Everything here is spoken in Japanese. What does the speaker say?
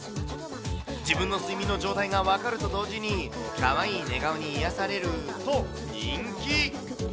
自分の睡眠の状態が分かると同時に、かわいい寝顔に癒やされると人気。